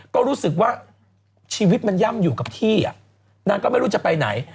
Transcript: ก็รู้สึกว่าชีวิตมันย่ำอยู่กับที่นางก็ไม่รู้จะไปไหน